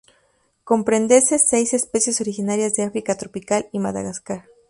Comprende seis especies originarias de África tropical y Madagascar.